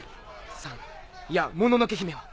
サンいやもののけ姫は？